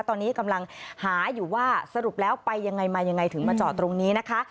ตอนนี้กำลังหาอยู่ว่าสรุปแล้วไปยังไงมายังไงถึงมาจอดตรงนี้นะคะ